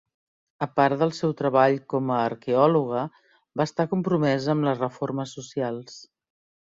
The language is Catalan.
A part del seu treball com a arqueòloga, va estar compromesa amb les reformes socials.